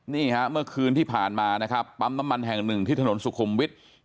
นี่ฮะเมื่อคืนที่ผ่านมานะครับปั๊มน้ำมันแห่งหนึ่งที่ถนนสุขุมวิทย์